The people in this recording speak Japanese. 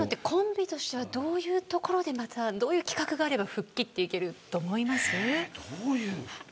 コンビとしてはどういうところでどういう企画があれば復帰といけると思います。